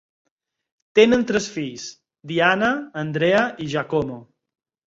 Tenen tres fills, Diana, Andrea i Giacomo.